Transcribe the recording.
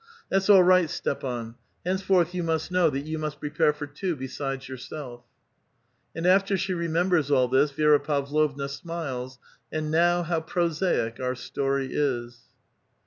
That's all right, Stepan ; henceforth you must know that you must prepare for two besides yourself." And after she remembers all this, Vi^ra Pavlovna smiles and *' now how prosaic our story is